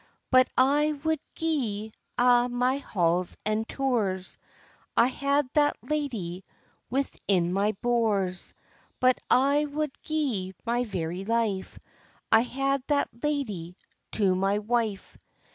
"But I wad gie a' my halls and tours, I had that ladye within my bours, But I wad gie my very life, I had that ladye to my wife."